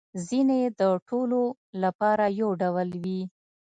ځینې يې د ټولو لپاره یو ډول وي